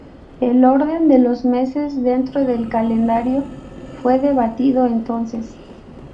El orden de los meses dentro del calendario fue debatido entonces.